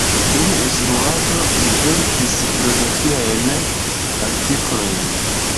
Dum instruado li verkis filozofiajn artikolojn.